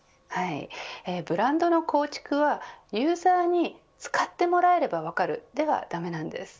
ブランドの構築はユーザーに使ってもらえれば分かる、ではだめなんです。